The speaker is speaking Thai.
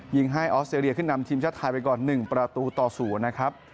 ยิงให้ออสเตรเลียขึ้นนำทีมชาติไทยไปก่อน๑ประตูต่อ๐นะครับ